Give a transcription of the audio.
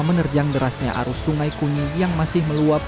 menerjang derasnya arus sungai kunyi yang masih meluap